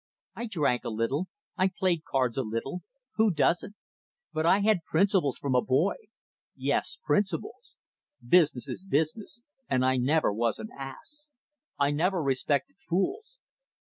I drank a little, I played cards a little. Who doesn't? But I had principles from a boy. Yes, principles. Business is business, and I never was an ass. I never respected fools.